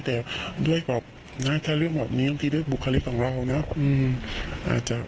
แต่ด้วยบอกนะถ้าเรื่องแบบนี้บางทีด้วยบุคลิกของเรานะ